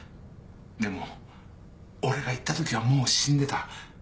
でも俺が行ったときはもう死んでた。